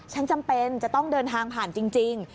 จำเป็นจะต้องเดินทางผ่านจริง